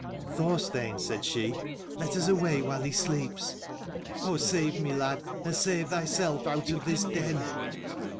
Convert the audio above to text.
"Thorstein," said she, "let us away while he sleeps. Oh save me, lad, and save thyself out of this den!"